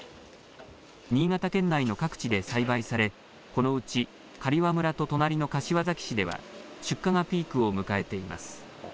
新潟県内の各地で栽培されこのうち刈羽村と隣の柏崎市では出荷がピークを迎えています。